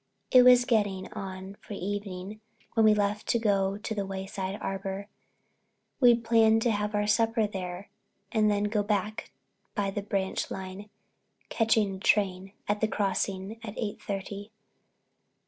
It was getting on for evening when we left to go to the Wayside Arbor. We'd planned to have our supper there and then go back by the branch line, catching a train at the Crossing at eight thirty.